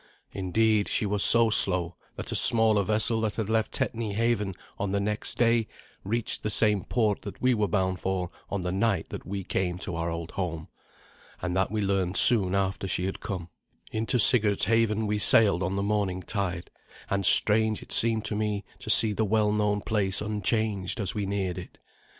Indeed, she was so slow that a smaller vessel that left Tetney haven on the next day reached the same port that we were bound for on the night that we came to our old home. And that we learned soon after she had come. Into Sigurd's haven we sailed on the morning tide, and strange it seemed to me to see the well known place unchanged as we neared it.